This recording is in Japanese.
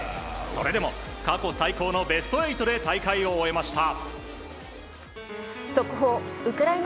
それでも、過去最高のベスト８で大会を終えました。